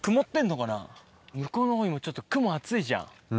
向こうのほう今ちょっと雲厚いじゃん。